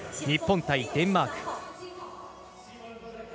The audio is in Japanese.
日本対デンマーク。